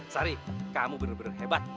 sari kamu bener bener hebat